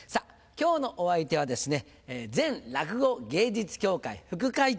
今日のお相手はですね落語芸術協会副会長